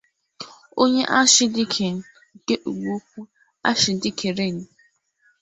onye Ashịdikin nke Igboukwu Ashịdikinri